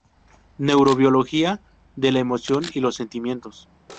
Neurobiología de la emoción y los sentimientos.